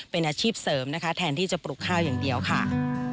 เป็นอาชีพเสริมนะคะแทนที่จะปลูกข้าวอย่างเดียวค่ะ